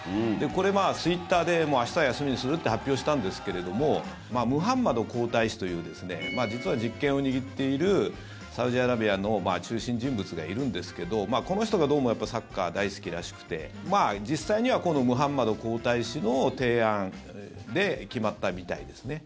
これ、ツイッターで明日は休みにするって発表したんですけれどもムハンマド皇太子という実は実権を握っているサウジアラビアの中心人物がいるんですけどこの人がどうもサッカー大好きらしくて実際にはこのムハンマド皇太子の提案で決まったみたいですね。